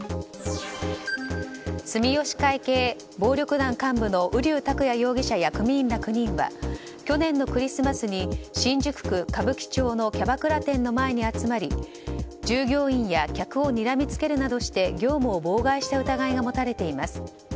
住吉会系暴力団幹部の瓜生拓也容疑者や組員ら９人は去年のクリスマスに新宿区歌舞伎町のキャバクラ店の前に集まり従業員や客をにらみつけるなどして業務を妨害した疑いが持たれています。